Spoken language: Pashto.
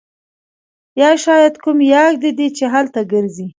یا شاید کوم یاږ دی چې هلته ګرځي